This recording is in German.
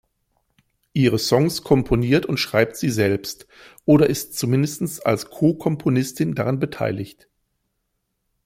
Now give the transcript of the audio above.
Ihre Songs komponiert und schreibt sie selbst oder ist zumindest als Co-Komponistin daran beteiligt.